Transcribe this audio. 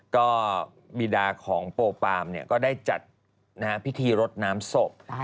ก็บีดาของโปปามก็ได้จัดพิธีรดน้ำศพ